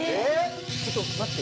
ちょっと待って。